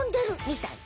みたい？